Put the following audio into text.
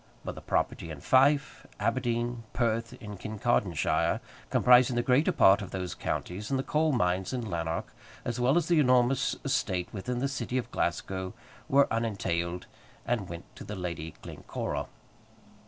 But the property in Fife, Aberdeen, Perth, and Kincardine shire, comprising the greater part of those counties, and the coal mines in Lanark, as well as the enormous estate within the city of Glasgow, were unentailed, and went to the Lady Glencora.